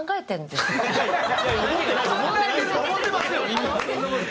思ってますよ